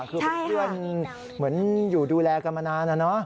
คือเป็นเพื่อนเหมือนอยู่ดูแลกันมานานนะเนอะ